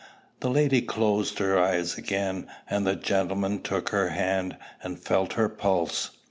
The lady closed her eyes again, and the gentleman took her hand, and felt her pulse.